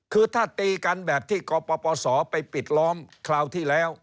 คือถ้าตีกันแบบที่กปศไปปิดล้อมคราวที่แล้ว